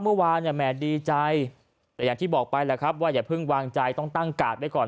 เมื่อวานเนี่ยแหม่ดีใจแต่อย่างที่บอกไปแหละครับว่าอย่าเพิ่งวางใจต้องตั้งกาดไว้ก่อน